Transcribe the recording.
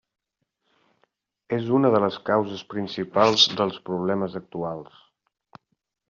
És una de les causes principals dels problemes actuals.